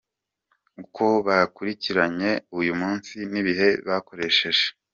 Uko bakurikiranye uyu munsi n’ibihe bakoresheje: